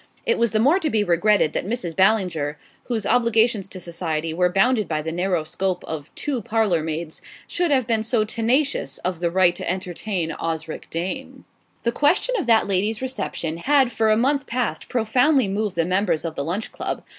It was the more to be regretted that Mrs. Ballinger, whose obligations to society were bounded by the narrow scope of two parlour maids, should have been so tenacious of the right to entertain Osric Dane. The question of that lady's reception had for a month past profoundly moved the members of the Lunch Club.